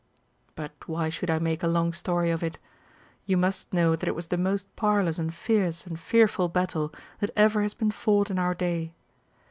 * But why should I make a long story of it? You must know that it was the most parlous and fierce and fearful battle that ever has been fought in our day.